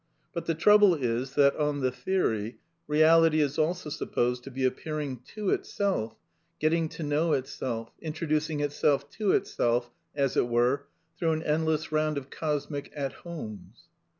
But the trouble is that, on the theory, Eeality is also supposed to be appearing to itself, getting to know itself, introduc ing itself to itself, as it were, through an endless round of cosmic " At Homes."